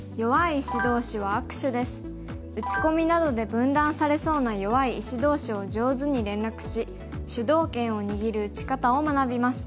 打ち込みなどで分断されそうな弱い石同士を上手に連絡し主導権を握る打ち方を学びます。